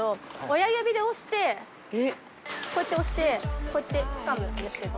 こうやって押してこうやってつかむんですけど。